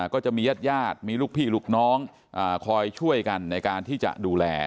ก็จะมีญาติญาติมีลูกพี่ลูกน้องคอยช่วยกันในการที่จะดูแล